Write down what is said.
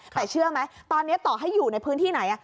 แต่เชื่อไหมตอนนี้ต่อให้อยู่ในพื้นที่ไหน